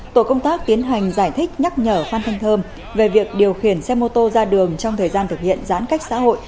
tổ công tác tiến hành giải thích nhắc nhở phan thanh thơm về việc điều khiển xe mô tô ra đường trong thời gian thực hiện giãn cách xã hội